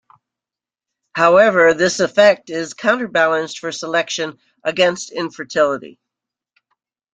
However this effect is counterbalanced for selection against infertility.